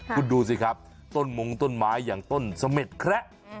คุณดูสิครับต้นมงต้นไม้อย่างต้นเสม็ดแคระ